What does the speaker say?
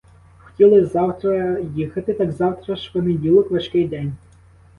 Хотіли завтра їхати, так завтра ж понеділок, важкий день.